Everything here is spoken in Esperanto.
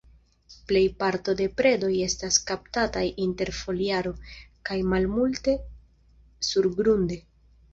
Plejparto de predoj estas kaptataj inter foliaro, kaj malmulte surgrunde.